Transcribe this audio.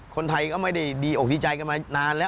คนไทยก็ไม่ได้ดีอกดีใจกันมานานแล้ว